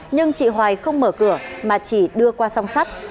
nhưng chị hoài không mở cửa mà chỉ đưa qua song sắt